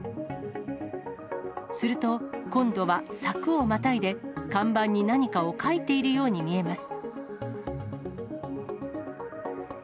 すると、今度は柵をまたいで、看板に何かを書いているように見えます。